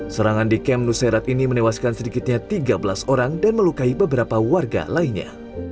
serangan di kem nuserat ini menewaskan sedikitnya tiga belas orang dan melukai beberapa warga lainnya